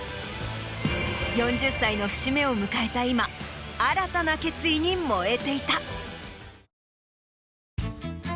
４０歳の節目を迎えた今新たな決意に燃えていた。